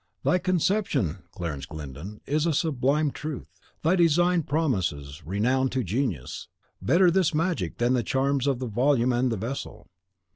Thy conception, Clarence Glyndon, is a sublime truth; thy design promises renown to genius. Better this magic than the charms of the volume and the vessel.